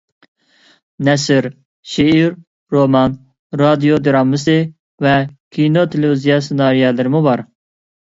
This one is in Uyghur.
نەسر، شېئىر، رومان، رادىيو دىرامىسى ۋە كىنو تېلېۋىزىيە سېنارىيەلىرىمۇ بار.